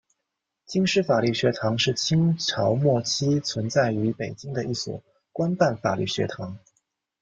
京师法律学堂是清朝末期存在于北京的一所官办法律学堂。